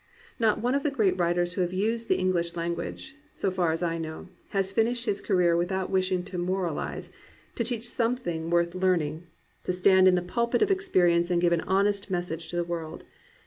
Not one of the great writers who have used the English language, so far as I know, has finished his career without wishing to moralize, to teach something worth learn 388 AN ADVENTURER, ing, to stand in the pulpit of experience and give an honest message to the world.